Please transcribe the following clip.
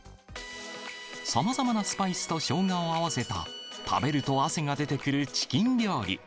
さまざまなスパイスとショウガを合わせた、食べると汗が出てくるチキン料理。